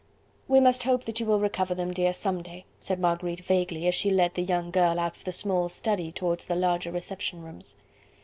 "We must hope that you will recover them, dear, some day," said Marguerite vaguely, as she led the young girl out of the small study towards the larger reception rooms.